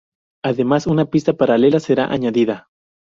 Además, una pista paralela será añadida.